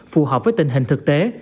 phù hợp với tình hình thực tế